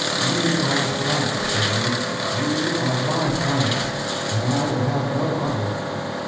You are France for me. You are my France, and I will have no other."